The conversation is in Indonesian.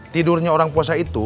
tidurnya orang puasa itu